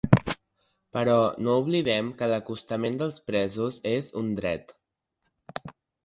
Però no oblidem que l’acostament dels presos és un dret.